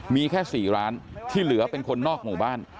มีแค่๔ร้านที่เหลือเป็นคนนอกหมู่บ้าน